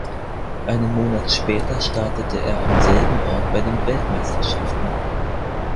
Einen Monat später startete er am selben Ort bei den Weltmeisterschaften.